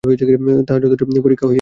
তাহার, যথেষ্ট পরীক্ষা হইয়া গেছে।